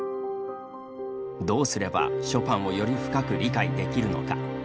どうすればショパンをより深く理解できるのか。